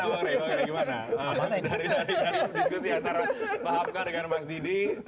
dari dari diskusi antara pak hafqan dengan mas didi